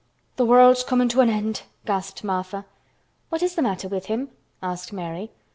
"Th' world's comin' to a end!" gasped Martha. "What is the matter with him?" asked Mary.